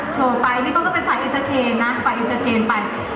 โชว์ไปนี่ก็เป็นไฟล์เย็นเทนไฟล์เย็นเทนไป